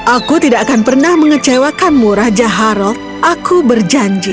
aku tidak akan pernah mengecewakanmu raja haral aku berjanji